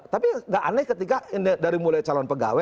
tapi nggak aneh ketika dari mulai calon pegawai